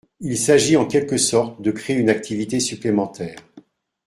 Il s’agit en quelque sorte de créer une activité supplémentaire.